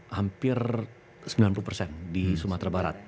hampir sembilan puluh persen di sumatera barat